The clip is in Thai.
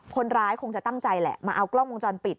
คนร้ายคงจะตั้งใจแหละมาเอากล้องวงจรปิด